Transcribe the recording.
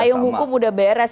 ayo buku udah beres